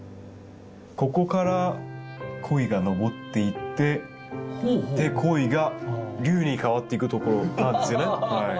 ここから鯉がのぼっていって鯉が竜に変わっていくところなんですよね。